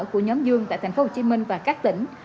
của nhóm dương tại tp hcm và các tỉnh